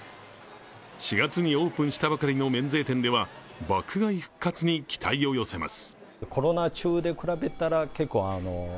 ４月にオープンしたばかりの免税店では爆買い復活に期待を寄せます。